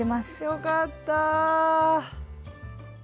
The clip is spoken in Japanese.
よかった。